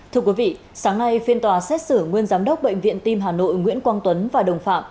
thưa quý vị sáng nay phiên tòa xét xử nguyên giám đốc bệnh viện tim hà nội nguyễn quang tuấn và đồng phạm